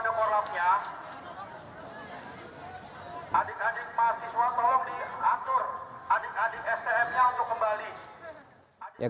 adik adik mahasiswa tolong diatur adik adik stm nya untuk kembali